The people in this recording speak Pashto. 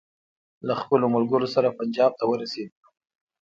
له خپلو ملګرو سره پنجاب ته ورسېدلو.